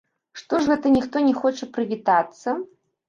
Што ж гэта ніхто не хоча прывітацца?